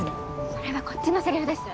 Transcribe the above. それはこっちのセリフです